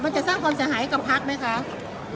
จะสร้างความเสียหายกับพักไหมคะ